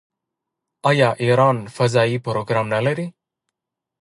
آیا ایران فضايي پروګرام نلري؟